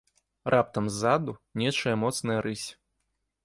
Раптам ззаду нечая моцная рысь.